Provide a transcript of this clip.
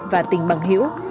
và tình bằng hiểu